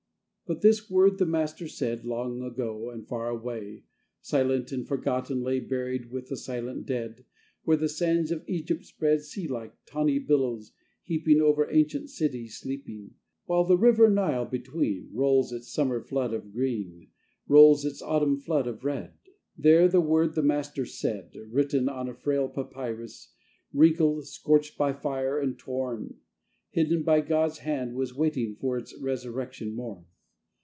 But this word the Master said Long ago and far away, Silent and forgotten lay Buried with the silent dead, Where the sands of Egypt spread Sea like, tawny billows heaping Over ancient cities sleeping, While the River Nile between Rolls its summer flood of green Rolls its autumn flood of red: There the word the Master said, Written on a frail papyrus, wrinkled, scorched by fire, and torn, Hidden by God's hand was waiting for its resurrection morn.